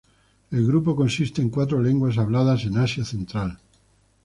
El grupo consiste en cuatro lenguas habladas en Asia Central.